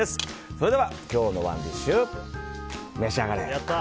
それでは今日のＯｎｅＤｉｓｈ召し上がれ。